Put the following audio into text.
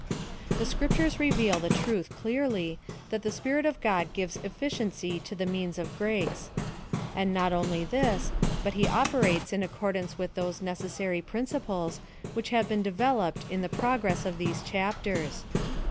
The scriptures reveal the truth clearly, that the Spirit of God gives efhciency to the means of graca PLAN OP SALVATION. ^43 And not only this, but he operates in accordance with those necessary principles which have been deve.oped in the progress of these chapters.